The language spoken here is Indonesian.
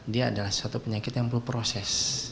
dia adalah suatu penyakit yang berproses